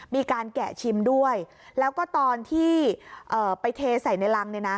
มีการแกะชิมด้วยแล้วก็ตอนที่ไปเทใส่ในลัง